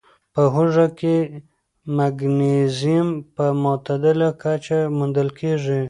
په هوږه کې مګنيزيم په معتدله کچه موندل کېږي.